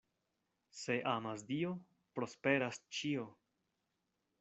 Se amas Dio, prosperas ĉio.